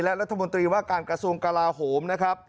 และรัฐมนตรีว่าการกระทรวงกราโหม